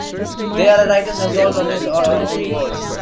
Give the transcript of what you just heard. They are a writer's assault on his or her own words.